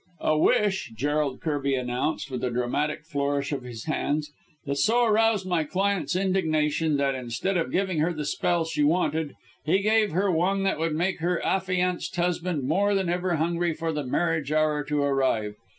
"A wish," Gerald Kirby announced, with a dramatic flourish of his hands, "that so aroused my client's indignation that, instead of giving her the spell she wanted, he gave her one that would make her affianced husband more than ever hungry for the marriage hour to arrive.